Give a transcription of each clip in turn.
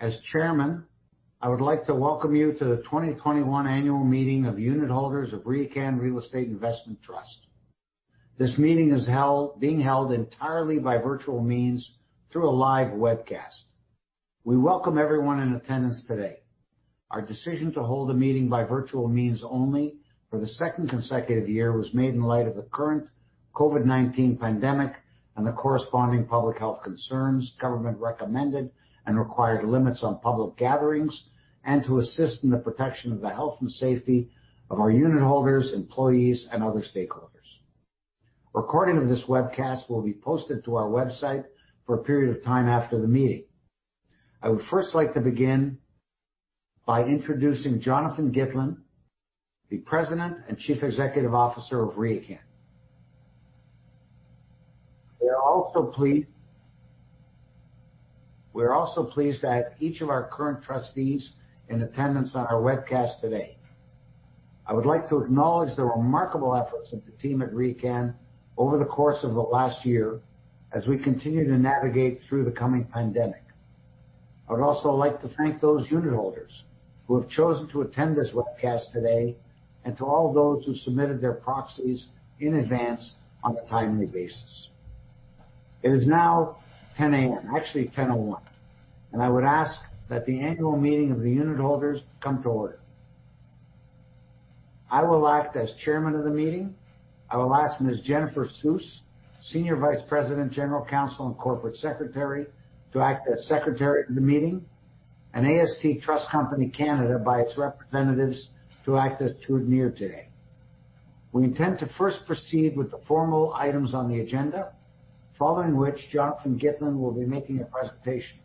As Chairman, I would like to welcome you to the 2021 Annual Meeting of UnitHolders of RioCan Real Estate Investment Trust. This meeting is being held entirely by virtual means through a live webcast. We welcome everyone in attendance today. Our decision to hold a meeting by virtual means only for the second consecutive year was made in light of the current COVID-19 pandemic and the corresponding public health concerns government recommended and required limits on public gatherings and to assist in the protection of the health and safety of our unitholders, employees, and other stakeholders. A recording of this webcast will be posted to our website for a period of time after the meeting. I would first like to begin by introducing Jonathan Gitlin, the President and Chief Executive Officer of RioCan. We're also pleased to have each of our current trustees in attendance on our webcast today. I would like to acknowledge the remarkable efforts of the team at RioCan over the course of the last year as we continue to navigate through the coming pandemic. I'd also like to thank those unitholders who have chosen to attend this webcast today and to all those who submitted their proxies in advance on a timely basis. It is now 10:00 A.M., actually 10:01 A.M. I would ask that the annual meeting of the unitholders come to order. I will act as chairman of the meeting. I will ask Ms. Jennifer Suess, Senior Vice President, General Counsel, and Corporate Secretary, to act as secretary of the meeting, and AST Trust Company (Canada), by its representatives, to act as steward here today. We intend to first proceed with the formal items on the agenda, following which Jonathan Gitlin will be making a presentation.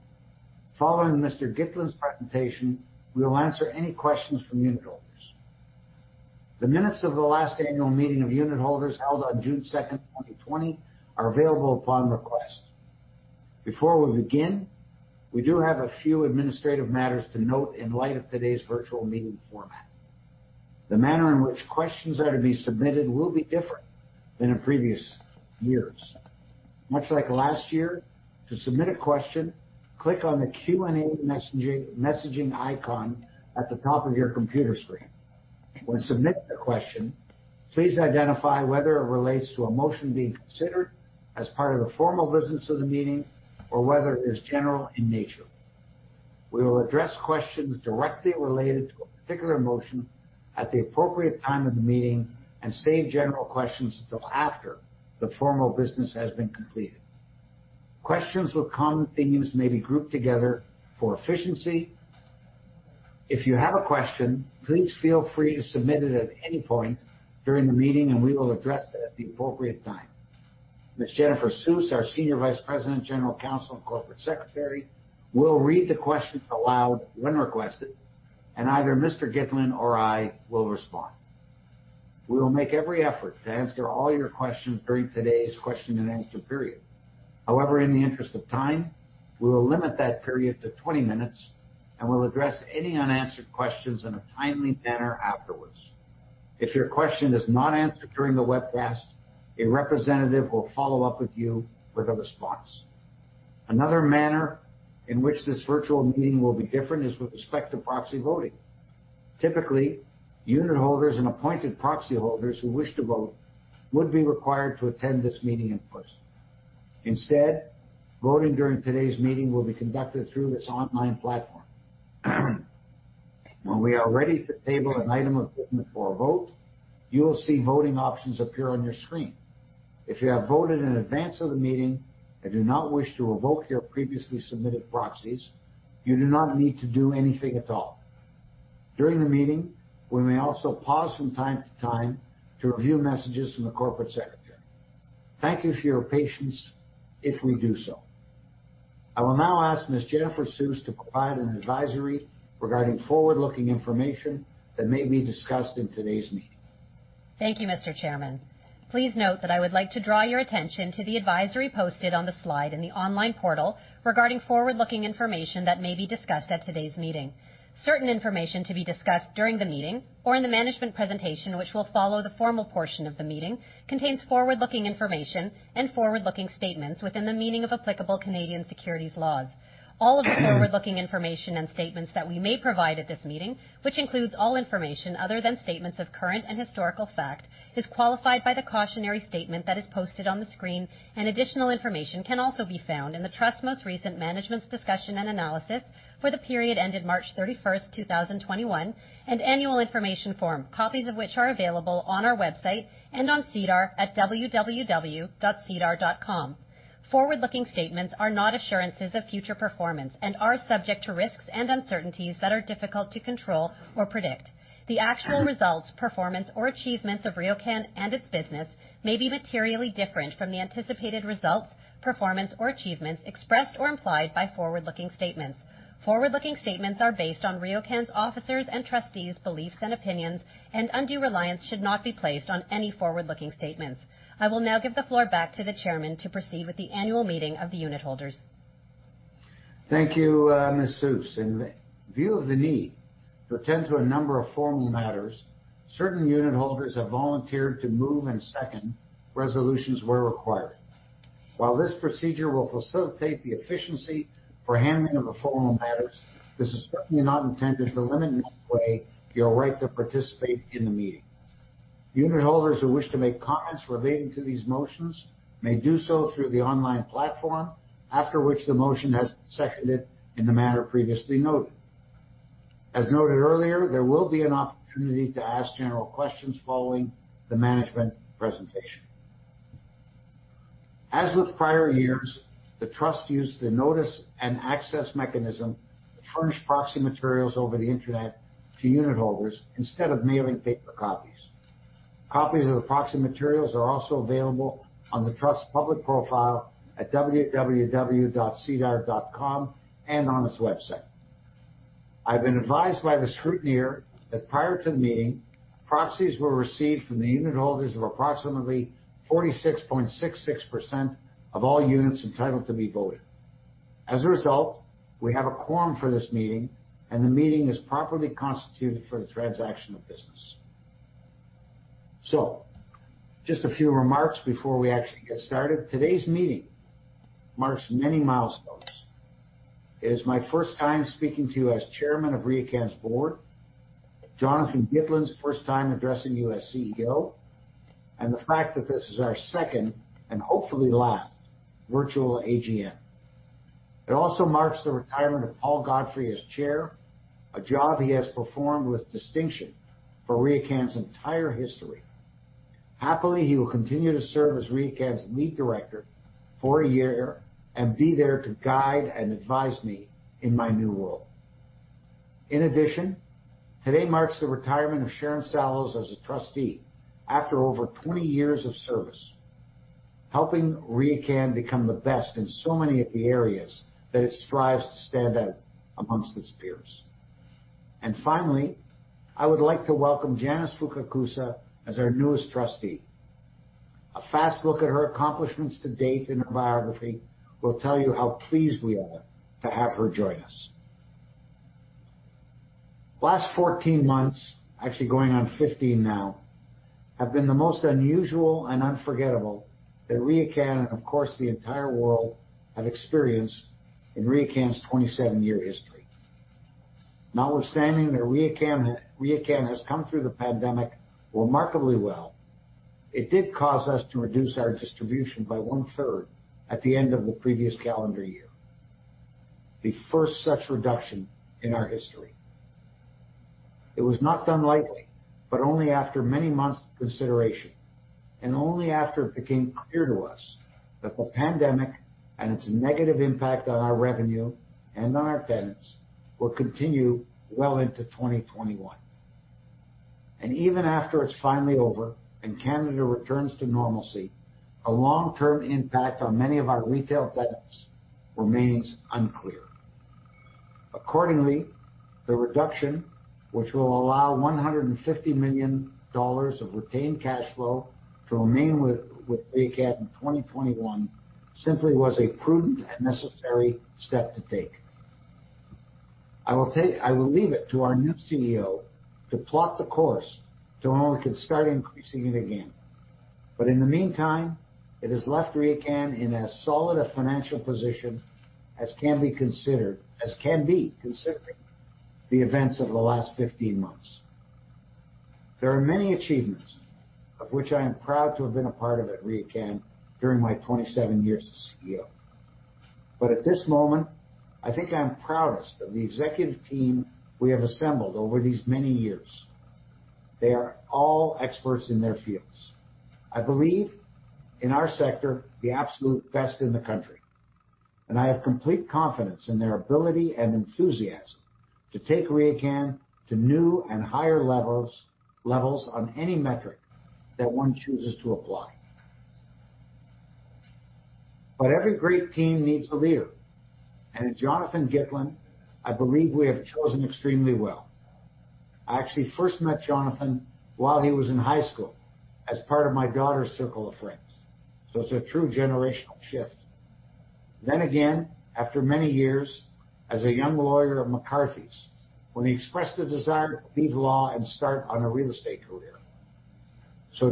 Following Mr. Gitlin's presentation, we will answer any questions from unitholders. The minutes of the last annual meeting of unitholders held on June 2nd, 2020, are available upon request. Before we begin, we do have a few administrative matters to note in light of today's virtual meeting format. The manner in which questions are to be submitted will be different than in previous years. Much like last year, to submit a question, click on the Q&A messaging icon at the top of your computer screen. When submitting a question, please identify whether it relates to a motion being considered as part of the formal business of the meeting or whether it is general in nature. We will address questions directly related to a particular motion at the appropriate time of the meeting and save general questions until after the formal business has been completed. Questions with common themes may be grouped together for efficiency. If you have a question, please feel free to submit it at any point during the meeting and we will address it at the appropriate time. Ms. Jennifer Suess, our Senior Vice President, General Counsel, and Corporate Secretary, will read the questions aloud when requested, and either Mr. Gitlin or I will respond. We will make every effort to answer all your questions during today's question and answer period. However, in the interest of time, we will limit that period to 20 minutes and will address any unanswered questions in a timely manner afterwards. If your question is not answered during the webcast, a representative will follow up with you with a response. Another manner in which this virtual meeting will be different is with respect to proxy voting. Typically, unitholders and appointed proxy holders who wish to vote would be required to attend this meeting in person. Instead, voting during today's meeting will be conducted through this online platform. When we are ready to table an item up for a vote, you will see voting options appear on your screen. If you have voted in advance of the meeting and do not wish to revoke your previously submitted proxies, you do not need to do anything at all. During the meeting, we may also pause from time to time to review messages from the Corporate Secretary. Thank you for your patience if we do so. I will now ask Ms. Jennifer Suess to provide an advisory regarding forward-looking information that may be discussed in today's meeting. Thank you, Mr. Chairman. Please note that I would like to draw your attention to the advisory posted on the slide in the online portal regarding forward-looking information that may be discussed at today's meeting. Certain information to be discussed during the meeting or in the management presentation, which will follow the formal portion of the meeting, contains forward-looking information and forward-looking statements within the meaning of applicable Canadian securities laws. All of the forward-looking information and statements that we may provide at this meeting, which includes all information other than statements of current and historical fact, is qualified by the cautionary statement that is posted on the screen, and additional information can also be found in the trust's most recent management's discussion and analysis for the period ending March 31st, 2021, and annual information form, copies of which are available on our website and on SEDAR at www.sedar.com. Forward-looking statements are not assurances of future performance and are subject to risks and uncertainties that are difficult to control or predict. The actual results, performance, or achievements of RioCan and its business may be materially different from the anticipated results, performance, or achievements expressed or implied by forward-looking statements. Forward-looking statements are based on RioCan's officers' and trustees' beliefs and opinions, and undue reliance should not be placed on any forward-looking statements. I will now give the floor back to the chairman to proceed with the annual meeting of the unitholders. Thank you, Ms. Suess. In view of the need to attend to a number of formal matters, certain unitholders have volunteered to move and second resolutions where required. While this procedure will facilitate the efficiency for handling of the formal matters, this is certainly not intended to limit in any way your right to participate in the meeting. Unitholders who wish to make comments relating to these motions may do so through the online platform after which the motion has been seconded in the manner previously noted. As noted earlier, there will be an opportunity to ask general questions following the management presentation. As with prior years, the trust used the notice and access mechanism to furnish proxy materials over the internet to unitholders instead of mailing paper copies. Copies of the proxy materials are also available on the trust's public profile at www.sedar.com and on its website. I've been advised by the scrutineer that prior to the meeting, proxies were received from the unitholders of approximately 46.66% of all units entitled to be voted. As a result, we have a quorum for this meeting, and the meeting is properly constituted for the transaction of business. Just a few remarks before we actually get started. Today's meeting marks many milestones. It is my first time speaking to you as Chairman of RioCan's board, Jonathan Gitlin's first time addressing you as CEO, and the fact that this is our second, and hopefully last, virtual AGM. It also marks the retirement of Paul Godfrey as Chair, a job he has performed with distinction for RioCan's entire history. Happily, he will continue to serve as RioCan's Lead Director for a year and be there to guide and advise me in my new role. In addition, today marks the retirement of Sharon Sallows as a trustee after over 20 years of service, helping RioCan become the best in so many of the areas that it strives to stand out amongst its peers. Finally, I would like to welcome Janice Fukakusa as our newest trustee. A fast look at her accomplishments to date in her biography will tell you how pleased we are to have her join us. Last 14 months, actually going on 15 now, have been the most unusual and unforgettable that RioCan, and of course, the entire world, have experienced in RioCan's 27-year history. Notwithstanding that RioCan has come through the pandemic remarkably well, it did cause us to reduce our distribution by one-third at the end of the previous calendar year, the first such reduction in our history. It was not done lightly, but only after many months of consideration, and only after it became clear to us that the pandemic and its negative impact on our revenue and on our tenants would continue well into 2021. Even after it's finally over and Canada returns to normalcy, the long-term impact on many of our retail tenants remains unclear. Accordingly, the reduction, which will allow 150 million dollars of retained cash flow to remain with RioCan in 2021, simply was a prudent and necessary step to take. I will leave it to our new CEO to plot the course to when we can start increasing it again. In the meantime, it has left RioCan in as solid a financial position as can be considering the events of the last 15 months. There are many achievements of which I am proud to have been a part of at RioCan during my 27 years as CEO. At this moment, I think I'm proudest of the executive team we have assembled over these many years. They are all experts in their fields. I believe in our sector, the absolute best in the country, and I have complete confidence in their ability and enthusiasm to take RioCan to new and higher levels on any metric that one chooses to apply. Every great team needs a leader. In Jonathan Gitlin, I believe we have chosen extremely well. I actually first met Jonathan while he was in high school as part of my daughter's circle of friends. It's a true generational shift. Again, after many years as a young lawyer at McCarthy's, when he expressed a desire to leave law and start on a real estate career.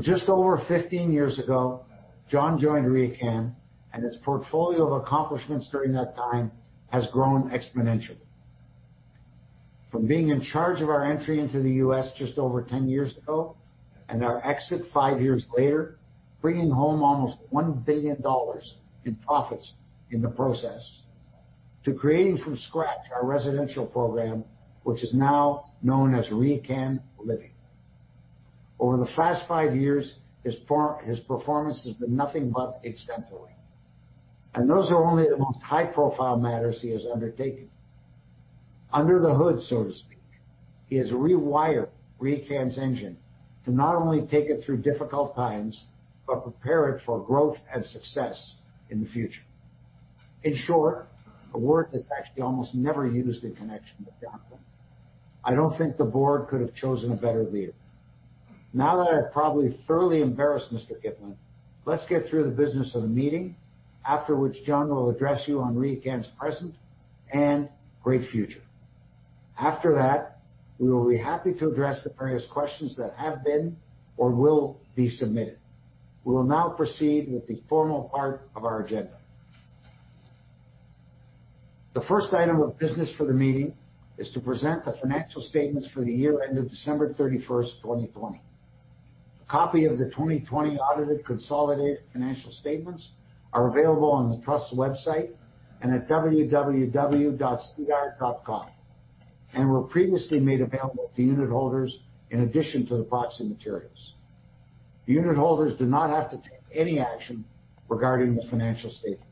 Just over 15 years ago, Jonathan joined RioCan and his portfolio of accomplishments during that time has grown exponentially. From being in charge of our entry into the U.S. just over 10 years ago and our exit five years later, bringing home almost 1 billion dollars in profits in the process, to creating from scratch our residential program, which is now known as RioCan Living. Over the past five years, his performance has been nothing but exemplary, and those are only the most high-profile matters he has undertaken. Under the hood, so to speak, he has rewired RioCan's engine to not only take it through difficult times, but prepare it for growth and success in the future. In short, a word that's actually almost never used in connection with downtown, I don't think the board could have chosen a better leader. Now that I've probably thoroughly embarrassed Mr. Gitlin, let's get through the business of the meeting, after which John will address you on RioCan's present and bright future. After that, we will be happy to address the various questions that have been or will be submitted. We will now proceed with the formal part of our agenda. The first item of business for the meeting is to present the financial statements for the year ended December 31st, 2020. A copy of the 2020 audited consolidated financial statements are available on the trust website and at www.sedar.com, and were previously made available to unitholders in addition to the proxy materials. The unitholders do not have to take any action regarding the financial statements.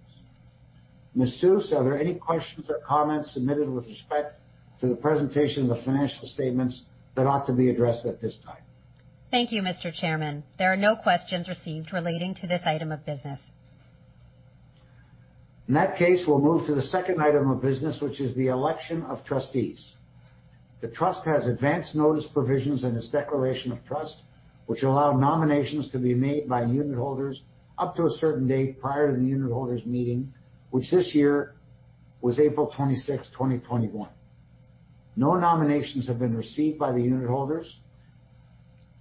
Ms. Suess, are there any questions or comments submitted with respect to the presentation of the financial statements that ought to be addressed at this time? Thank you, Mr. Chairman. There are no questions received relating to this item of business. In that case, we'll move to the second item of business, which is the election of trustees. The trust has advanced notice provisions in its declaration of trust, which allow nominations to be made by unitholders up to a certain date prior to the unitholders' meeting, which this year was April 26, 2021. No nominations have been received by the unitholders,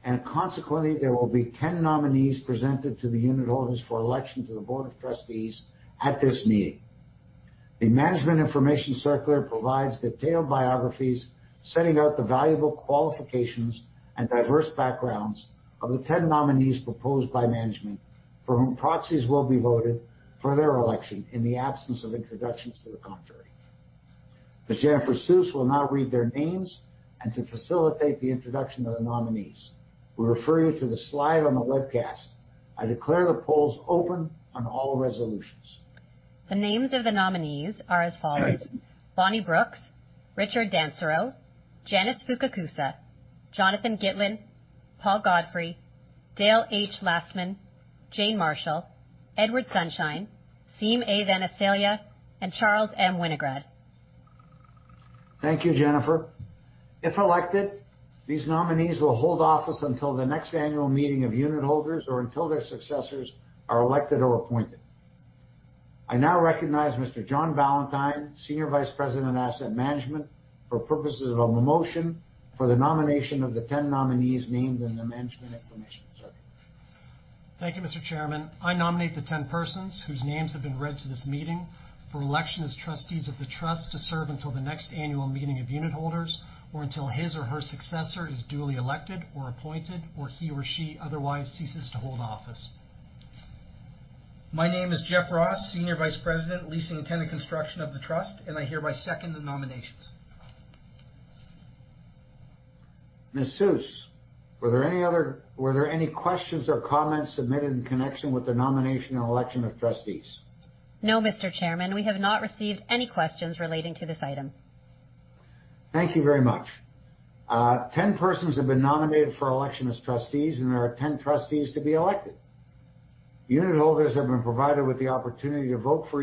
and consequently, there will be 10 nominees presented to the unitholders for election to the board of trustees at this meeting. A management information circular provides detailed biographies setting out the valuable qualifications and diverse backgrounds of the 10 nominees proposed by management for whom proxies will be voted for their election in the absence of introductions to the contrary. Ms. Jennifer Suess will now read their names and to facilitate the introduction of the nominees. We refer you to the slide on the webcast. I declare the polls open on all resolutions. The names of the nominees are as follows: Bonnie Brooks, Richard Dansereau, Janice Fukakusa, Jonathan Gitlin, Paul Godfrey, Dale H. Lastman, Jane Marshall, Edward Sonshine, Siim A. Vanaselja, and Charles M. Winograd. Thank you, Jennifer. If elected, these nominees will hold office until the next annual meeting of unitholders or until their successors are elected or appointed. I now recognize Mr. John Ballantyne, Senior Vice President of Asset Management, for purposes of a motion for the nomination of the 10 nominees named in the management information circular. Thank you, Mr. Chairman. I nominate the 10 persons whose names have been read to this meeting for election as trustees of the trust to serve until the next annual meeting of unitholders, or until his or her successor is duly elected or appointed, or he or she otherwise ceases to hold office. My name is Jeff Ross, Senior Vice President, Leasing and Tenant Construction of the trust. I hereby second the nominations. Ms. Suess, were there any questions or comments submitted in connection with the nomination and election of trustees? No, Mr. Chairman, we have not received any questions relating to this item. Thank you very much. 10 persons have been nominated for election as trustees, and there are 10 trustees to be elected. Unitholders have been provided with the opportunity to vote for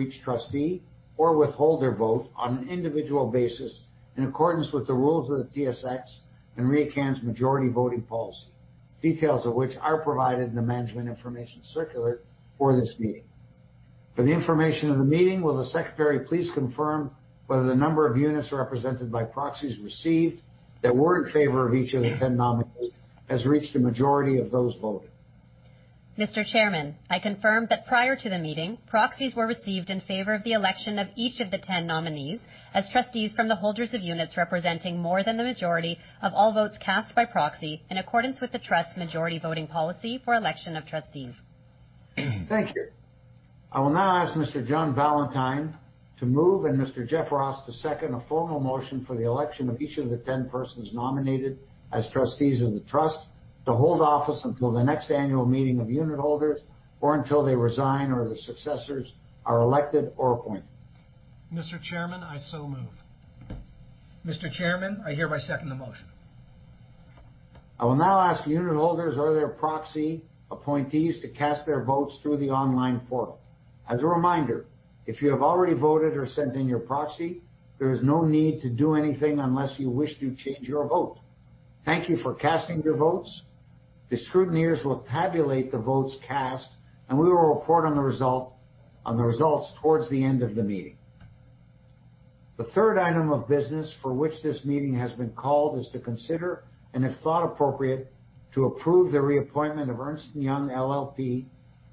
each trustee or withhold their vote on an individual basis in accordance with the rules of the TSX and RioCan's majority voting policy, details of which are provided in the management information circular for this meeting. For the information of the meeting, will the Secretary please confirm whether the number of units represented by proxies received that were in favor of each of the 10 nominees has reached a majority of those voting. Mr. Chairman, I confirm that prior to the meeting, proxies were received in favor of the election of each of the 10 nominees as trustees from the holders of units representing more than a majority of all votes cast by proxy in accordance with the trust majority voting policy for election of trustees. Thank you. I will now ask Mr. John Ballantyne to move, and Mr. Jeff Ross to second a formal motion for the election of each of the 10 persons nominated as trustees of the trust to hold office until the next annual meeting of unitholders, or until they resign or their successors are elected or appointed. Mr. Chairman, I so move. Mr. Chairman, I hereby second the motion. I will now ask unitholders or their proxy appointees to cast their votes through the online portal. As a reminder, if you have already voted or sent in your proxy, there is no need to do anything unless you wish to change your vote. Thank you for casting your votes. The scrutineers will tabulate the votes cast, and we will report on the results towards the end of the meeting. The third item of business for which this meeting has been called is to consider, and if thought appropriate, to approve the reappointment of Ernst & Young LLP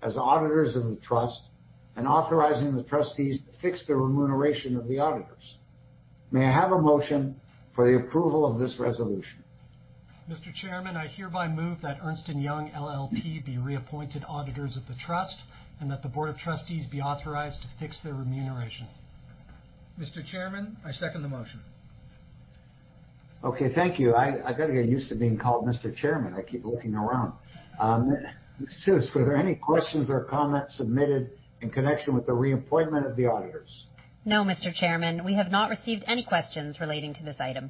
as auditors of the trust and authorizing the trustees to fix the remuneration of the auditors. May I have a motion for the approval of this resolution? Mr. Chairman, I hereby move that Ernst & Young LLP be reappointed auditors of the trust and that the board of trustees be authorized to fix their remuneration. Mr. Chairman, I second the motion. Okay, thank you. I got to get used to being called Mr. Chairman. I keep looking around. Ms. Suess, were there any questions or comments submitted in connection with the reappointment of the auditors? No, Mr. Chairman, we have not received any questions relating to this item.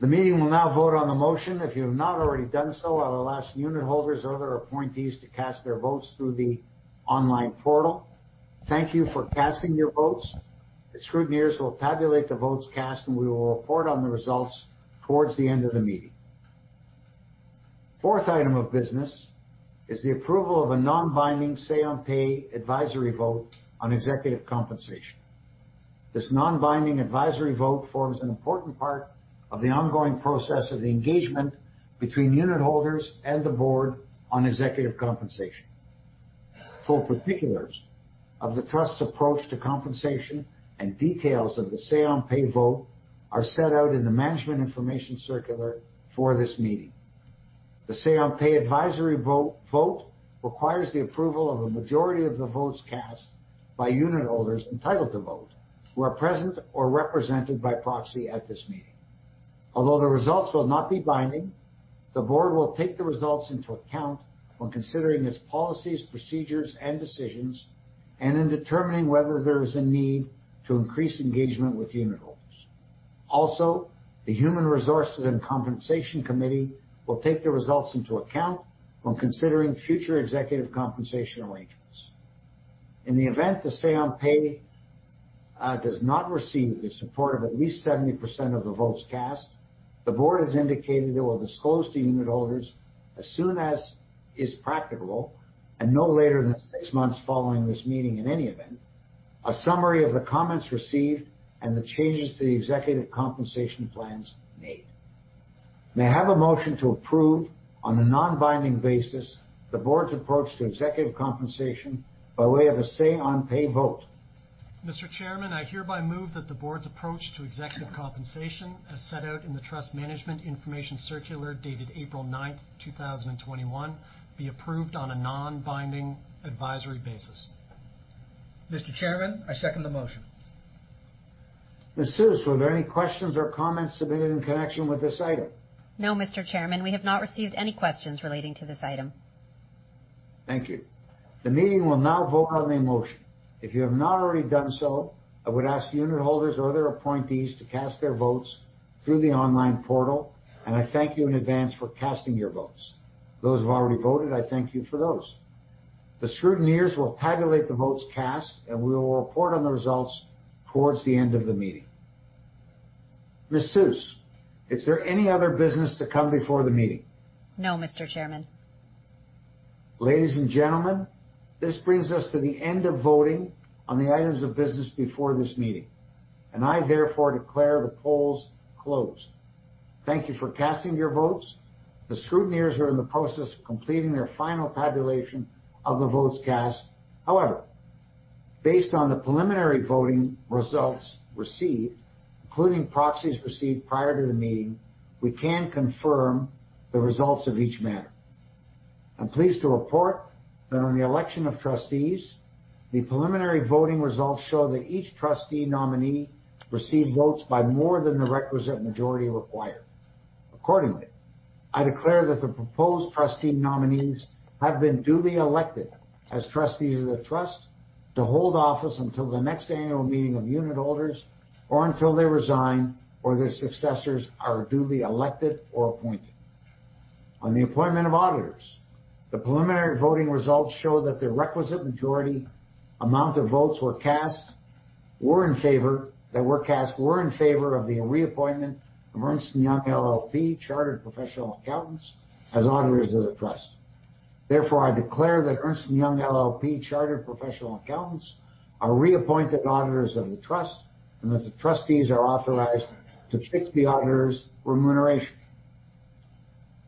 The meeting will now vote on the motion. If you have not already done so, I will ask unitholders or other appointees to cast their votes through the online portal. Thank you for casting your votes. The scrutineers will tabulate the votes cast, and we will report on the results towards the end of the meeting. Fourth item of business is the approval of a non-binding say-on-pay advisory vote on executive compensation. This non-binding advisory vote forms an important part of the ongoing process of engagement between unitholders and the board on executive compensation. Full particulars of the trust approach to compensation and details of the say-on-pay vote are set out in the management information circular for this meeting. The say-on-pay advisory vote requires the approval of a majority of the votes cast by unitholders entitled to vote who are present or represented by proxy at this meeting. Although the results will not be binding, the board will take the results into account when considering its policies, procedures, and decisions, and in determining whether there is a need to increase engagement with unitholders. The Human Resources and Compensation Committee will take the results into account when considering future executive compensation arrangements. In the event the say-on-pay does not receive the support of at least 70% of the votes cast, the board has indicated it will disclose to unitholders as soon as is practicable and no later than six months following this meeting in any event, a summary of the comments received and the changes to the executive compensation plans made. May I have a motion to approve on a non-binding basis the board's approach to executive compensation by way of a say-on-pay vote. Mr. Chairman, I hereby move that the board's approach to executive compensation, as set out in the trust management information circular dated April 9th, 2021, be approved on a non-binding advisory basis. Mr. Chairman, I second the motion. Ms. Suess, were there any questions or comments submitted in connection with this item? No, Mr. Chairman, we have not received any questions relating to this item. Thank you. The meeting will now vote on the motion. If you have not already done so, I would ask unitholders or other appointees to cast their votes through the online portal, and I thank you in advance for casting your votes. Those who have already voted, I thank you for those. The scrutineers will tabulate the votes cast, and we will report on the results towards the end of the meeting. Ms. Suess, is there any other business to come before the meeting? No, Mr. Chairman. Ladies and gentlemen, this brings us to the end of voting on the items of business before this meeting, and I therefore declare the polls closed. Thank you for casting your votes. The scrutineers are in the process of completing their final tabulation of the votes cast. However, based on the preliminary voting results received, including proxies received prior to the meeting, we can confirm the results of each matter. I'm pleased to report that on the election of trustees, the preliminary voting results show that each trustee nominee received votes by more than the requisite majority required. Accordingly, I declare that the proposed trustee nominees have been duly elected as trustees of the trust to hold office until the next annual meeting of unitholders or until they resign or their successors are duly elected or appointed. On the appointment of auditors, the preliminary voting results show that the requisite majority amount of votes were cast were in favor of the reappointment of Ernst & Young LLP, chartered professional accountants as auditors of the trust. Therefore, I declare that Ernst & Young LLP chartered professional accountants are reappointed auditors of the trust and that the trustees are authorized to fix the auditors remuneration.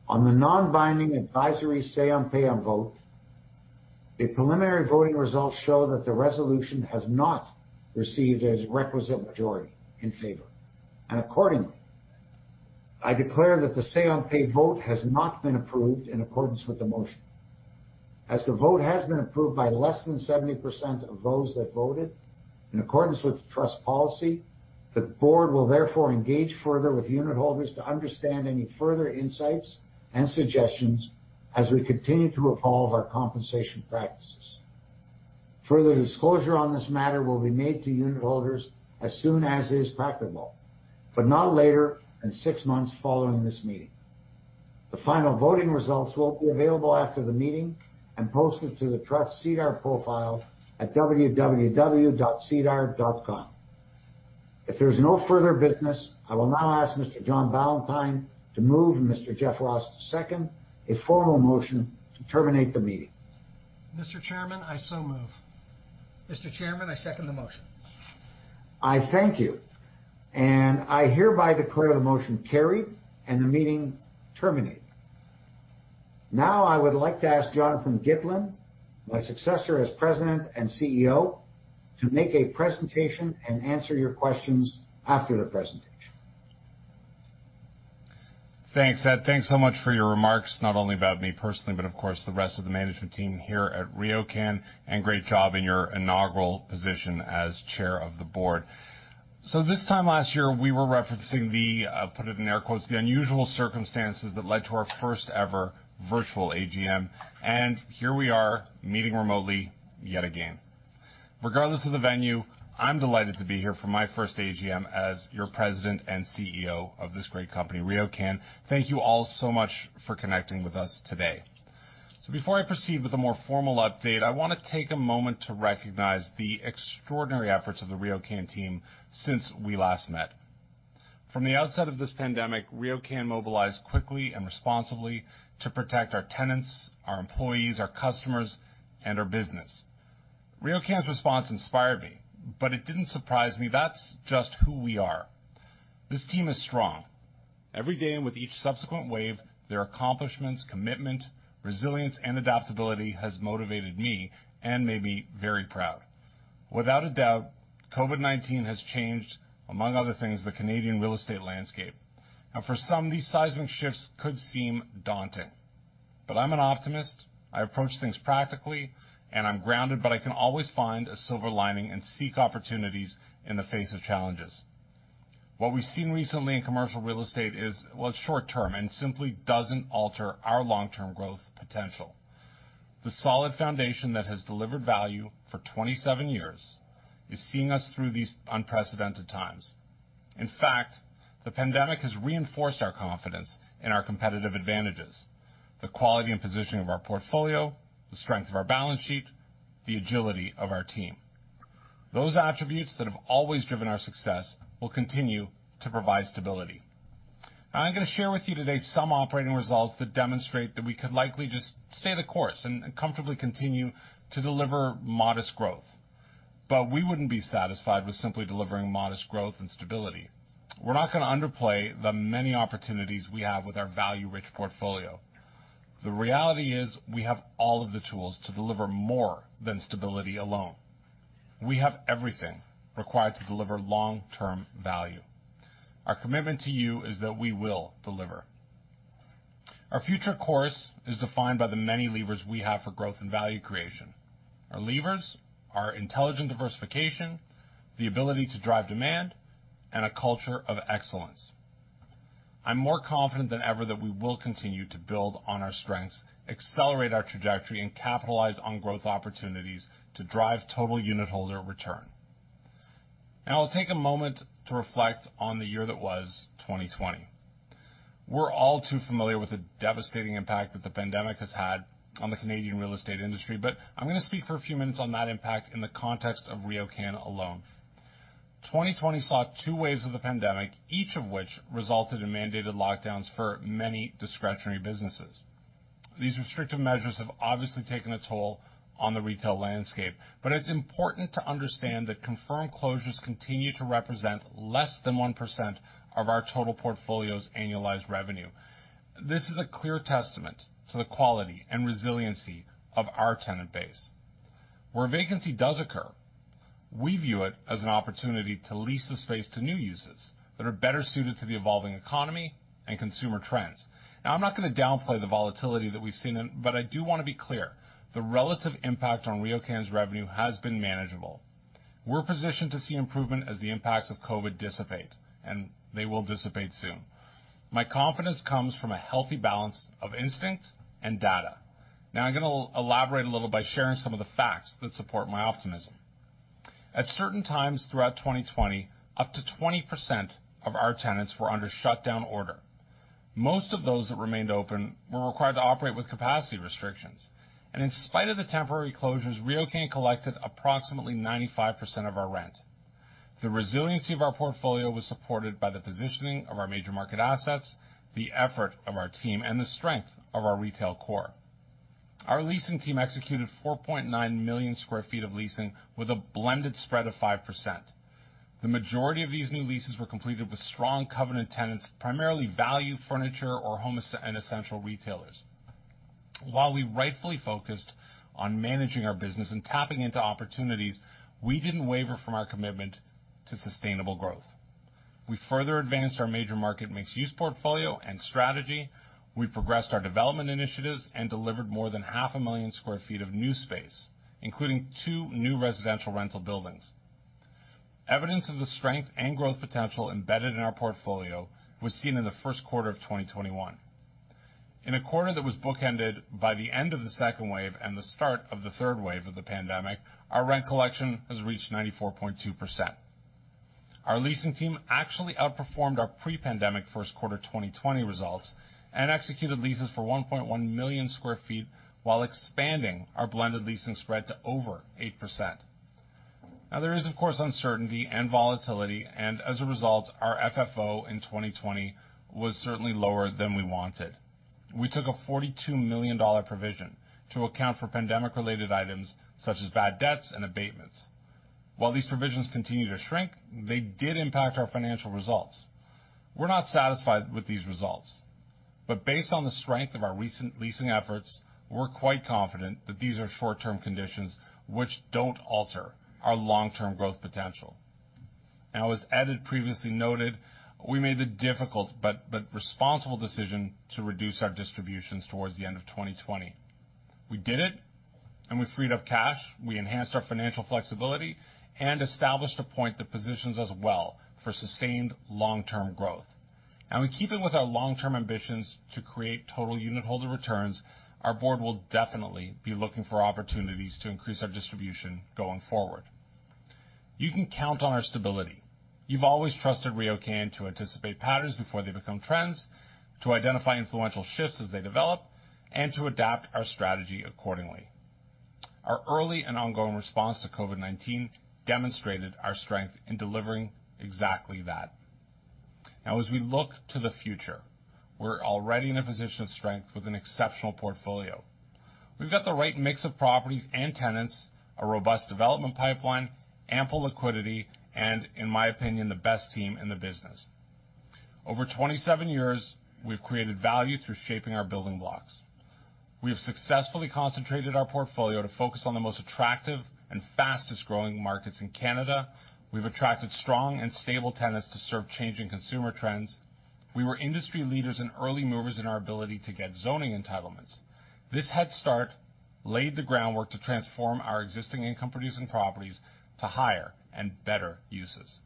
On the non-binding advisory say-on-pay vote, the preliminary voting results show that the resolution has not received a requisite majority in favor. Accordingly, I declare that the say-on-pay vote has not been approved in accordance with the motion. As the vote has been approved by less than 70% of those that voted, in accordance with the trust policy, the board will therefore engage further with unitholders to understand any further insights and suggestions as we continue to evolve our compensation practices. Further disclosure on this matter will be made to unitholders as soon as is practicable, but not later than six months following this meeting. The final voting results will be available after the meeting and posted to the trust SEDAR profile at www.sedar.com. If there's no further business, I will now ask Mr. John Ballantyne to move and Mr. Jeff Ross to second a formal motion to terminate the meeting. Mr. Chairman, I so move. Mr. Chairman, I second the motion. I thank you, and I hereby declare the motion carried and the meeting terminated. Now, I would like to ask Jonathan Gitlin, my successor as President and CEO, to make a presentation and answer your questions after the presentation. Thanks, Ed. Thanks so much for your remarks, not only about me personally, but of course, the rest of the management team here at RioCan, and great job in your inaugural position as chair of the board. This time last year, we were referencing the, put it in air quotes, "The unusual circumstances" that led to our first-ever virtual AGM. Here we are meeting remotely yet again. Regardless of the venue, I'm delighted to be here for my first AGM as your President and Chief Executive Officer of this great company, RioCan. Thank you all so much for connecting with us today. Before I proceed with a more formal update, I want to take a moment to recognize the extraordinary efforts of the RioCan team since we last met. From the outset of this pandemic, RioCan mobilized quickly and responsibly to protect our tenants, our employees, our customers, and our business. RioCan's response inspired me, it didn't surprise me. That's just who we are. This team is strong. Every day, and with each subsequent wave, their accomplishments, commitment, resilience, and adaptability has motivated me and made me very proud. Without a doubt, COVID-19 has changed, among other things, the Canadian real estate landscape. For some, these seismic shifts could seem daunting. I'm an optimist, I approach things practically, and I'm grounded, but I can always find a silver lining and seek opportunities in the face of challenges. What we've seen recently in commercial real estate is short-term and simply doesn't alter our long-term growth potential. The solid foundation that has delivered value for 27 years is seeing us through these unprecedented times. In fact, the pandemic has reinforced our confidence and our competitive advantages, the quality and positioning of our portfolio, the strength of our balance sheet, the agility of our team. Those attributes that have always driven our success will continue to provide stability. I'm going to share with you today some operating results that demonstrate that we could likely just stay the course and comfortably continue to deliver modest growth. We wouldn't be satisfied with simply delivering modest growth and stability. We're not going to underplay the many opportunities we have with our value-rich portfolio. The reality is, we have all of the tools to deliver more than stability alone. We have everything required to deliver long-term value. Our commitment to you is that we will deliver. Our future course is defined by the many levers we have for growth and value creation. Our levers are intelligent diversification, the ability to drive demand, and a culture of excellence. I'm more confident than ever that we will continue to build on our strengths, accelerate our trajectory, and capitalize on growth opportunities to drive total unitholder return. I'll take a moment to reflect on the year that was 2020. We're all too familiar with the devastating impact that the pandemic has had on the Canadian real estate industry, but I'm going to speak for a few minutes on that impact in the context of RioCan alone. 2020 saw two waves of the pandemic, each of which resulted in mandated lockdowns for many discretionary businesses. These restrictive measures have obviously taken a toll on the retail landscape, but it's important to understand that confirmed closures continue to represent less than 1% of our total portfolio's annualized revenue. This is a clear testament to the quality and resiliency of our tenant base. Where vacancy does occur, we view it as an opportunity to lease the space to new uses that are better suited to the evolving economy and consumer trends. I'm not going to downplay the volatility that we've seen, but I do want to be clear, the relative impact on RioCan's revenue has been manageable. We're positioned to see improvement as the impacts of COVID-19 dissipate, and they will dissipate soon. My confidence comes from a healthy balance of instinct and data. I'm going to elaborate a little by sharing some of the facts that support my optimism. At certain times throughout 2020, up to 20% of our tenants were under shutdown order. Most of those that remained open were required to operate with capacity restrictions. In spite of the temporary closures, RioCan collected approximately 95% of our rent. The resiliency of our portfolio was supported by the positioning of our major market assets, the effort of our team, and the strength of our retail core. Our leasing team executed 4.9 million sq ft of leasing with a blended spread of 5%. The majority of these new leases were completed with strong covenant tenants, primarily value furniture or home and essential retailers. While we rightfully focused on managing our business and tapping into opportunities, we didn't waver from our commitment to sustainable growth. We further advanced our major market mixed-use portfolio and strategy. We progressed our development initiatives and delivered more than half a million sq ft of new space, including two new residential rental buildings. Evidence of the strength and growth potential embedded in our portfolio was seen in the first quarter of 2021. In a quarter that was bookended by the end of the second wave and the start of the third wave of the pandemic, our rent collection has reached 94.2%. Our leasing team actually outperformed our pre-pandemic first quarter 2020 results and executed leases for 1.1 million sq ft while expanding our blended leasing spread to over 8%. There is, of course, uncertainty and volatility, and as a result, our FFO in 2020 was certainly lower than we wanted. We took a 42 million dollar provision to account for pandemic-related items such as bad debts and abatements. These provisions continue to shrink, they did impact our financial results. We're not satisfied with these results. Based on the strength of our recent leasing efforts, we're quite confident that these are short-term conditions which don't alter our long-term growth potential. Now, as Ed previously noted, we made the difficult but responsible decision to reduce our distributions towards the end of 2020. We did it, and we freed up cash, we enhanced our financial flexibility, and established a point that positions us well for sustained long-term growth. We keep it with our long-term ambitions to create total unitholder returns. Our board will definitely be looking for opportunities to increase our distribution going forward. You can count on our stability. You've always trusted RioCan to anticipate patterns before they become trends, to identify influential shifts as they develop, and to adapt our strategy accordingly. Our early and ongoing response to COVID-19 demonstrated our strength in delivering exactly that. Now, as we look to the future, we're already in a position of strength with an exceptional portfolio. We've got the right mix of properties and tenants, a robust development pipeline, ample liquidity, and in my opinion, the best team in the business. Over 27 years, we've created value through shaping our building blocks. We have successfully concentrated our portfolio to focus on the most attractive and fastest-growing markets in Canada. We've attracted strong and stable tenants to serve changing consumer trends. We were industry leaders and early movers in our ability to get zoning entitlements. This head start laid the groundwork to transform our existing income-producing properties to higher and better uses.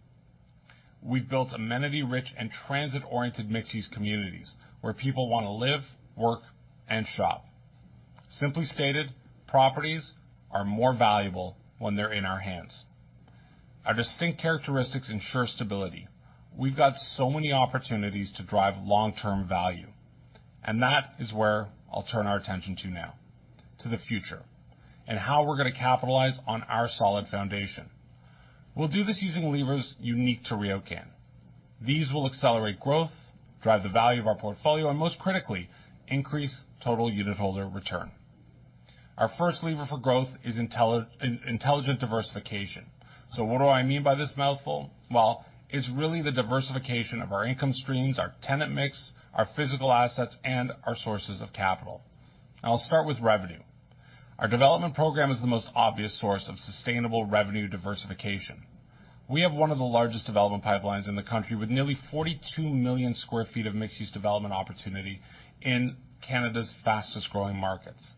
We've built amenity-rich and transit-oriented mixed-use communities where people want to live, work, and shop. Simply stated, properties are more valuable when they're in our hands. Our distinct characteristics ensure stability. We've got so many opportunities to drive long-term value. That is where I'll turn our attention to now, to the future and how we're going to capitalize on our solid foundation. We'll do this using levers unique to RioCan. These will accelerate growth, drive the value of our portfolio, and most critically, increase total unitholder return. Our first lever for growth is intelligent diversification. What do I mean by this mouthful? Well, it's really the diversification of our income streams, our tenant mix, our physical assets, and our sources of capital. I'll start with revenue. Our development program is the most obvious source of sustainable revenue diversification. We have one of the largest development pipelines in the country, with nearly 42 million sq ft of mixed-use development opportunity in Canada's fastest-growing markets.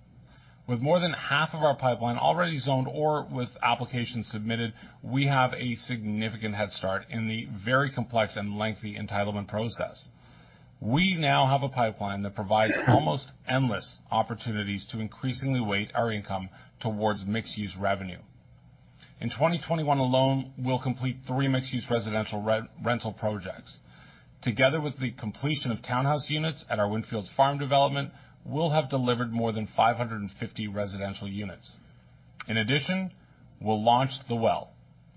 With more than half of our pipeline already zoned or with applications submitted, we have a significant head start in the very complex and lengthy entitlement process. We now have a pipeline that provides almost endless opportunities to increasingly weight our income towards mixed-use revenue. In 2021 alone, we'll complete three mixed-use residential rental projects. Together with the completion of townhouse units at our Windfields Farm development, we'll have delivered more than 550 residential units. In addition, we'll launch The Well,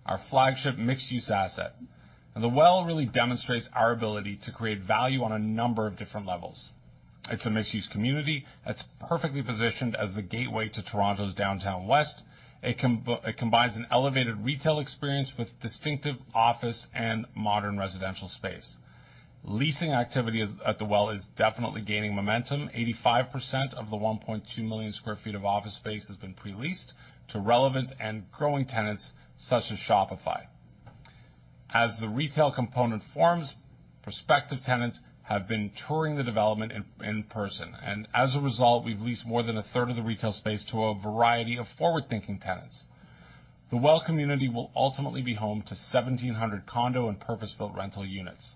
our flagship mixed-use asset. The Well really demonstrates our ability to create value on a number of different levels. It's a mixed-use community that's perfectly positioned as the gateway to Toronto's Downtown West. It combines an elevated retail experience with distinctive office and modern residential space. Leasing activity at The Well is definitely gaining momentum. 85% of the 1.2 million sq ft of office space has been pre-leased to relevant and growing tenants such as Shopify. As the retail component forms, prospective tenants have been touring the development in person. As a result, we've leased more than a third of the retail space to a variety of forward-thinking tenants. The Well community will ultimately be home to 1,700 condo and purpose-built rental units.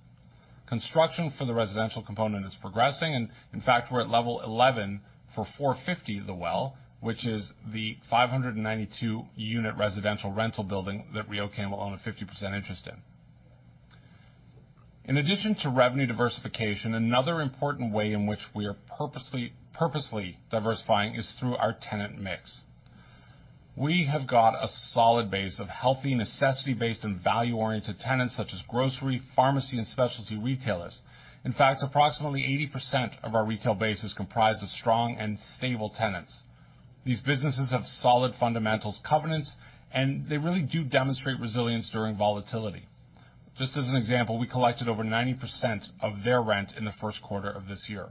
Construction for the residential component is progressing. In fact, we're at level 11 for FourFifty The Well, which is the 592-unit residential rental building that RioCan will own a 50% interest in. In addition to revenue diversification, another important way in which we are purposely diversifying is through our tenant mix. We have got a solid base of healthy necessity-based and value-oriented tenants such as grocery, pharmacy, and specialty retailers. In fact, approximately 80% of our retail base is comprised of strong and stable tenants. These businesses have solid fundamentals, covenants, and they really do demonstrate resilience during volatility. Just as an example, we collected over 90% of their rent in the first quarter of this year.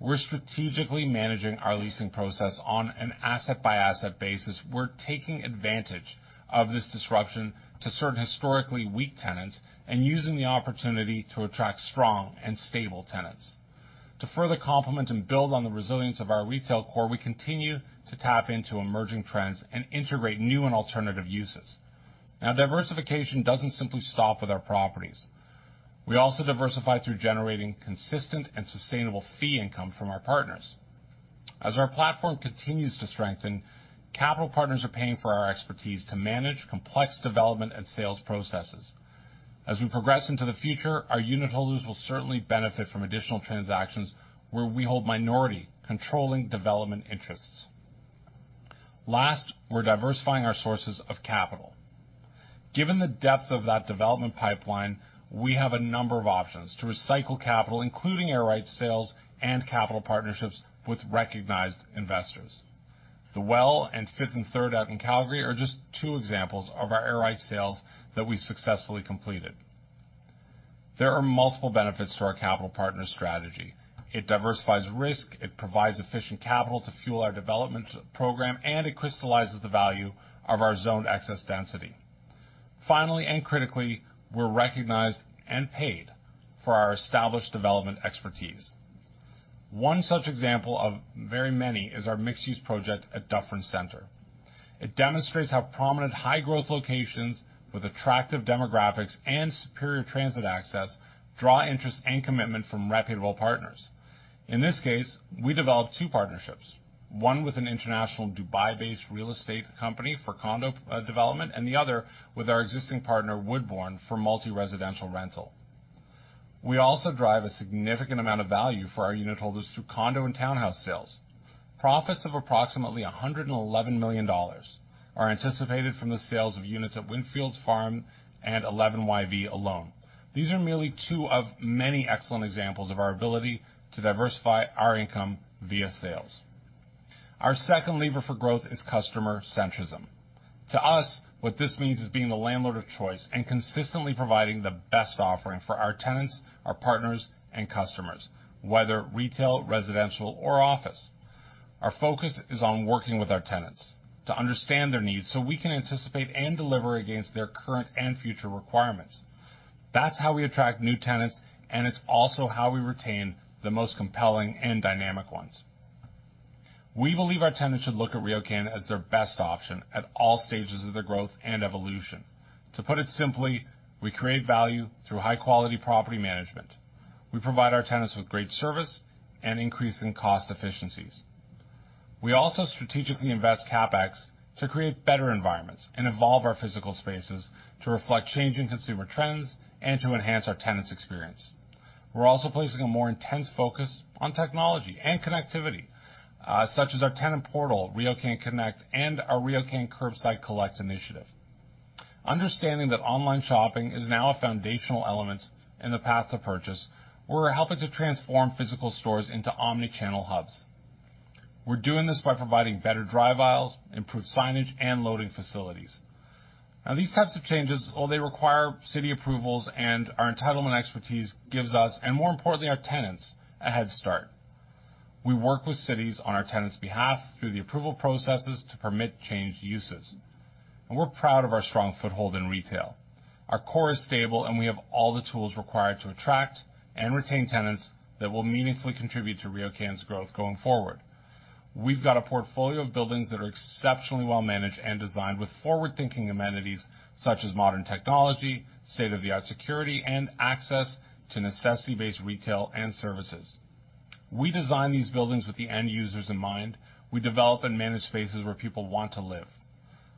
We're strategically managing our leasing process on an asset-by-asset basis. We're taking advantage of this disruption to certain historically weak tenants and using the opportunity to attract strong and stable tenants. To further complement and build on the resilience of our retail core, we continue to tap into emerging trends and integrate new and alternative uses. Diversification doesn't simply stop with our properties. We also diversify through generating consistent and sustainable fee income from our partners. As our platform continues to strengthen, capital partners are paying for our expertise to manage complex development and sales processes. As we progress into the future, our unitholders will certainly benefit from additional transactions where we hold minority controlling development interests. Last, we're diversifying our sources of capital. Given the depth of that development pipeline, we have a number of options to recycle capital, including air rights sales and capital partnerships with recognized investors. The Well and Fifth and Third out in Calgary are just two examples of our air rights sales that we successfully completed. There are multiple benefits to our capital partner strategy. It diversifies risk, it provides efficient capital to fuel our development program, and it crystallizes the value of our zoned excess density. Finally, and critically, we're recognized and paid for our established development expertise. One such example of very many is our mixed-use project at Dufferin Mall. It demonstrates how prominent high-growth locations with attractive demographics and superior transit access draw interest and commitment from reputable partners. In this case, we developed two partnerships, one with an international Dubai-based real estate company for condo development, and the other with our existing partner, Woodbourne, for multi-residential rental. We also drive a significant amount of value for our unitholders through condo and townhouse sales. Profits of approximately 111 million dollars are anticipated from the sales of units at Windfields Farm and 11YV alone. These are merely two of many excellent examples of our ability to diversify our income via sales. Our second lever for growth is customer centrism. To us, what this means is being the landlord of choice and consistently providing the best offering for our tenants, our partners, and customers, whether retail, residential, or office. Our focus is on working with our tenants to understand their needs so we can anticipate and deliver against their current and future requirements. That's how we attract new tenants, and it's also how we retain the most compelling and dynamic ones. We believe our tenants should look at RioCan as their best option at all stages of their growth and evolution. To put it simply, we create value through high-quality property management. We provide our tenants with great service and increasing cost efficiencies. We also strategically invest CapEx to create better environments and evolve our physical spaces to reflect changing consumer trends and to enhance our tenants' experience. We're also placing a more intense focus on technology and connectivity, such as our tenant portal, RioCan Connect, and our RioCan Curbside Collect initiative. Understanding that online shopping is now a foundational element in the path to purchase, we're helping to transform physical stores into omni-channel hubs. We're doing this by providing better drive aisles, improved signage, and loading facilities. Now, these types of changes, although they require city approvals and our entitlement expertise, gives us, and more importantly, our tenants, a head start. We work with cities on our tenants' behalf through the approval processes to permit changed uses. We're proud of our strong foothold in retail. Our core is stable, and we have all the tools required to attract and retain tenants that will meaningfully contribute to RioCan's growth going forward. We've got a portfolio of buildings that are exceptionally well-managed and designed with forward-thinking amenities such as modern technology, state-of-the-art security, and access to necessity-based retail and services. We design these buildings with the end users in mind. We develop and manage spaces where people want to live.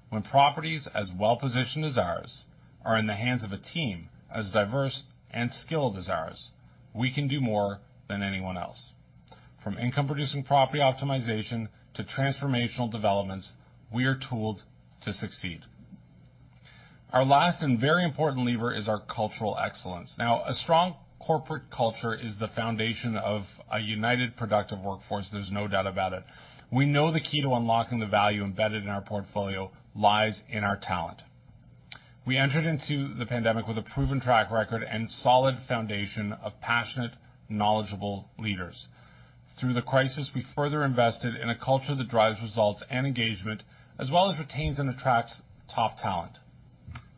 When properties as well-positioned as ours are in the hands of a team as diverse and skilled as ours, we can do more than anyone else. From income-producing property optimization to transformational developments, we are tooled to succeed. Our last and very important lever is our cultural excellence. Now, a strong corporate culture is the foundation of a united, productive workforce. There's no doubt about it. We know the key to unlocking the value embedded in our portfolio lies in our talent. We entered into the pandemic with a proven track record and solid foundation of passionate, knowledgeable leaders. Through the crisis, we further invested in a culture that drives results and engagement, as well as retains and attracts top talent.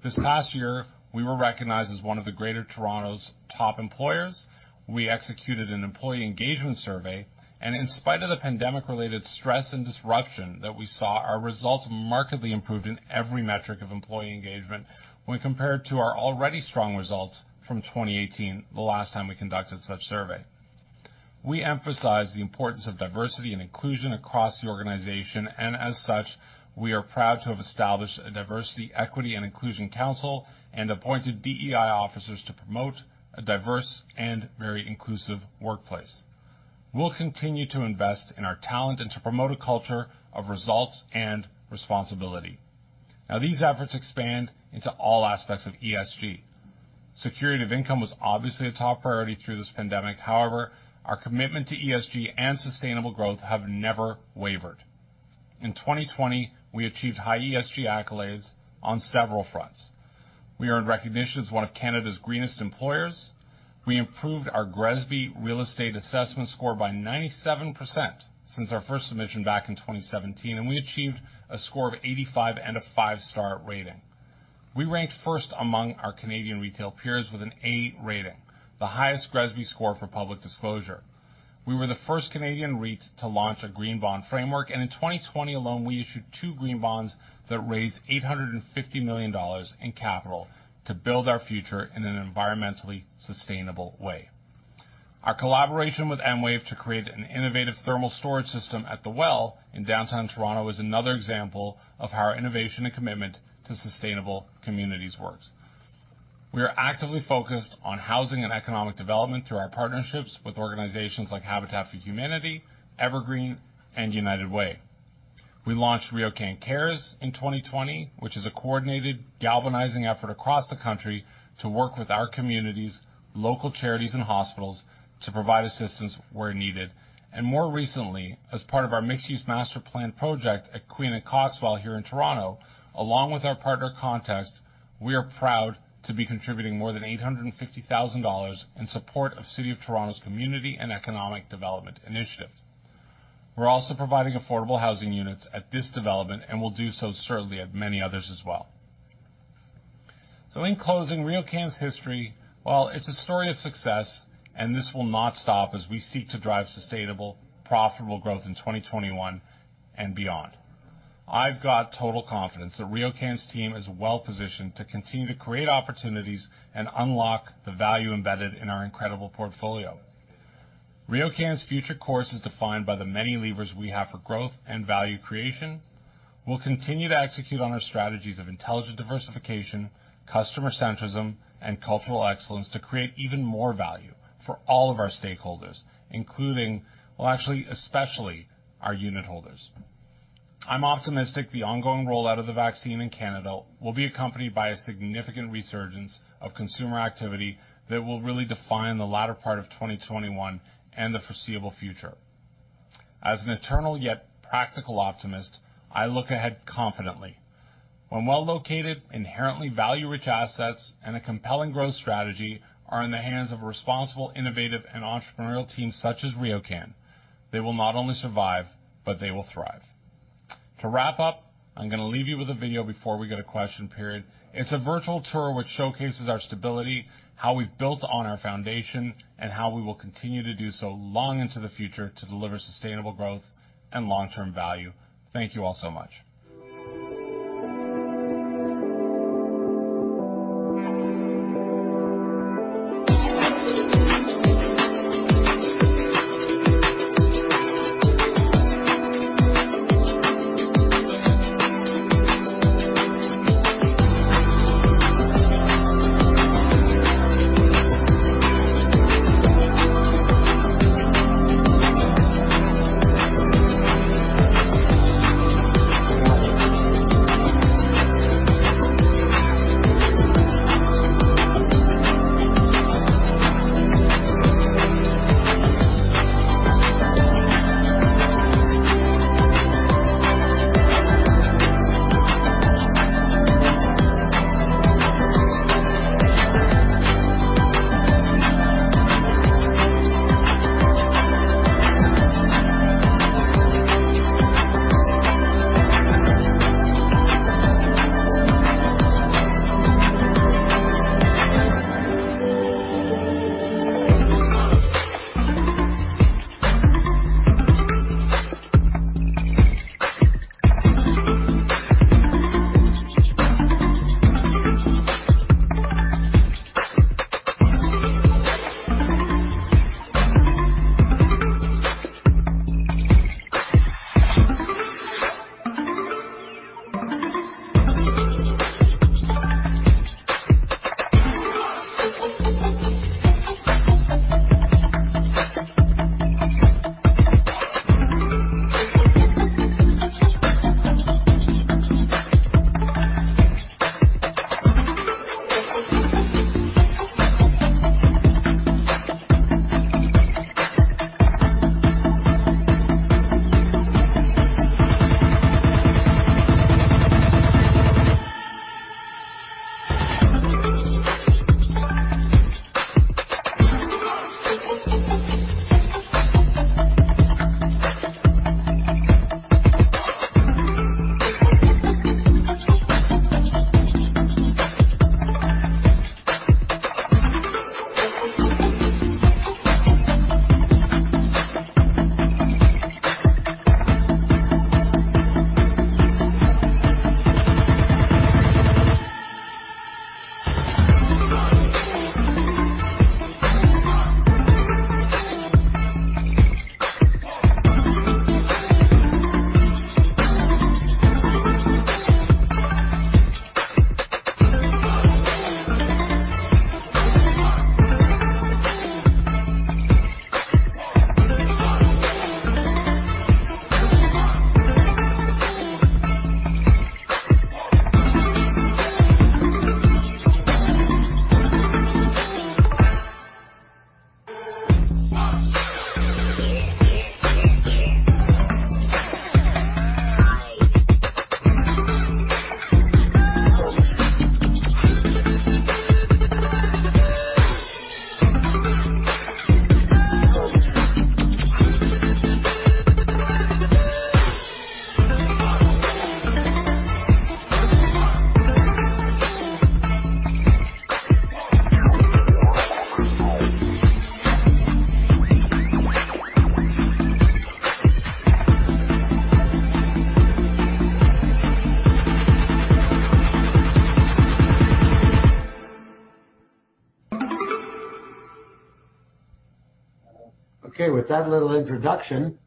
This past year, we were recognized as one of the Greater Toronto's Top Employers. We executed an employee engagement survey, and in spite of the pandemic-related stress and disruption that we saw, our results markedly improved in every metric of employee engagement when compared to our already strong results from 2018, the last time we conducted such survey. We emphasize the importance of diversity and inclusion across the organization, and as such, we are proud to have established a Diversity, Equity, and Inclusion Council and appointed DEI officers to promote a diverse and very inclusive workplace. We'll continue to invest in our talent and to promote a culture of results and responsibility. These efforts expand into all aspects of ESG. Security of income was obviously a top priority through this pandemic. Our commitment to ESG and sustainable growth have never wavered. In 2020, we achieved high ESG accolades on several fronts. We earned recognition as one of Canada's Greenest Employers. We improved our GRESB real estate assessment score by 97% since our first submission back in 2017, and we achieved a score of 85 and a 5-star rating. We ranked first among our Canadian retail peers with an A rating, the highest GRESB score for public disclosure. We were the first Canadian REIT to launch a green bond framework, and in 2020 alone, we issued two green bonds that raised 850 million dollars in capital to build our future in an environmentally sustainable way. Our collaboration with Enwave to create an innovative thermal storage system at The Well in downtown Toronto is another example of how our innovation and commitment to sustainable communities works. We are actively focused on housing and economic development through our partnerships with organizations like Habitat for Humanity, Evergreen, and United Way. We launched RioCan Cares in 2020, which is a coordinated, galvanizing effort across the country to work with our communities, local charities, and hospitals to provide assistance where needed. More recently, as part of our mixed-use master plan project at Queen and Coxwell here in Toronto, along with our partner Context, we are proud to be contributing more than 850,000 dollars in support of City of Toronto's Community and Economic Development Initiative. We're also providing affordable housing units at this development and will do so certainly at many others as well. In closing, RioCan's history, well, it's a story of success, and this will not stop as we seek to drive sustainable, profitable growth in 2021 and beyond. I've got total confidence that RioCan's team is well-positioned to continue to create opportunities and unlock the value embedded in our incredible portfolio. RioCan's future course is defined by the many levers we have for growth and value creation. We'll continue to execute on our strategies of intelligent diversification, customer centrism, and cultural excellence to create even more value for all of our stakeholders, including, well, actually, especially our unitholders. I'm optimistic the ongoing rollout of the vaccine in Canada will be accompanied by a significant resurgence of consumer activity that will really define the latter part of 2021 and the foreseeable future. As an eternal yet practical optimist, I look ahead confidently. When well-located, inherently value-rich assets and a compelling growth strategy are in the hands of a responsible, innovative, and entrepreneurial team such as RioCan, they will not only survive, but they will thrive. To wrap up, I'm going to leave you with a video before we go to question period. It's a virtual tour which showcases our stability, how we've built on our foundation, and how we will continue to do so long into the future to deliver sustainable growth and long-term value. Thank you all so much. Okay, with that little introduction,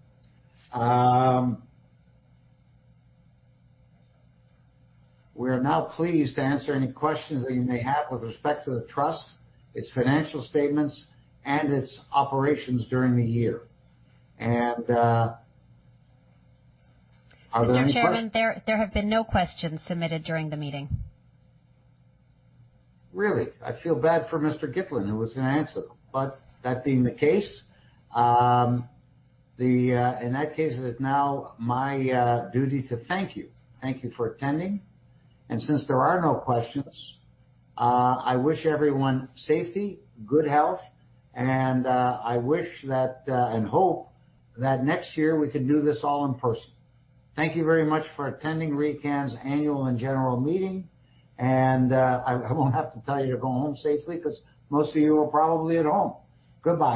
we are now pleased to answer any questions that you may have with respect to the trust, its financial statements, and its operations during the year. Are there any questions? Mr. Chairman, there have been no questions submitted during the meeting. Really? I feel bad for Mr. Gitlin, who was going to answer. That being the case, in that case, it is now my duty to thank you. Thank you for attending, and since there are no questions, I wish everyone safety, good health, and I wish that and hope that next year we can do this all in person. Thank you very much for attending RioCan's Annual and General Meeting, and I won't have to tell you to go home safely because most of you are probably at home. Goodbye.